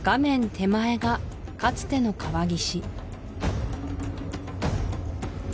手前がかつての川岸